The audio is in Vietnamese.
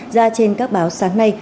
ra trên các báo sáng nay